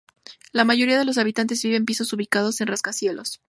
La mayoría de los habitantes vive en pisos ubicados en rascacielos.